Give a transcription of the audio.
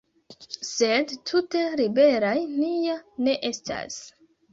Sed tute liberaj ni ja ne estas.